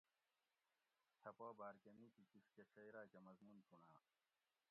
تھہ پا باۤر کہ نِکی کِشکہ شئ راۤکہ مضمون چُنڑاۤ